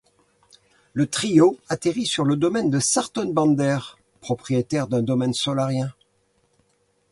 Le trio atterrit sur le domaine de Sarton Bander, propriétaire d'un domaine solarien.